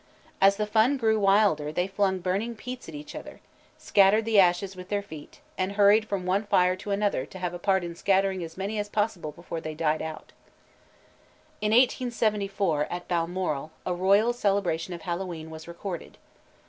As the fun grew wilder they flung burning peats at each other, scattered the ashes with their feet, and hurried from one fire to another to have a part in scattering as many as possible before they died out. In 1874, at Balmoral, a royal celebration of Hallowe'en was recorded.